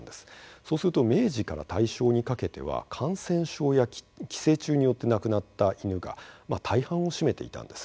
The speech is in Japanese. そうすると明治から大正にかけては感染症や寄生虫によって亡くなった犬が大半を占めていたんです。